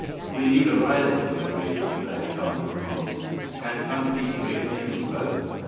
"We need a rail for the bridge," declared Chandra calmly. "Can somebody bring me a rope?"